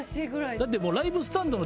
だって。